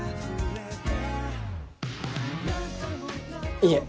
いえ。